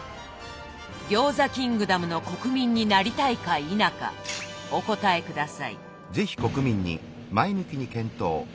餃子キングダムの国民になりたいか否かお答え下さい。